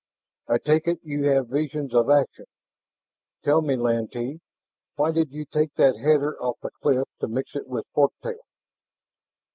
"I take it you have visions of action. Tell me, Lantee, why did you take that header off the cliff to mix it with fork tail?"